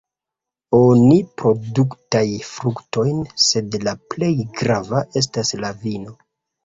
Oni produktaj fruktojn, sed la plej grava estas la vino.